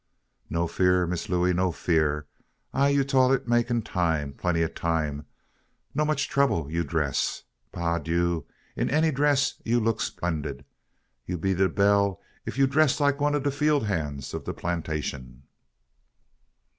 "No fear, Miss Looey no fear. I you toilette make in time plenty ob time. No much trouble you dress. Pa' dieu, in any dress you look 'plendid. You be de belle if you dress like one ob de fiel' hand ob de plantashun."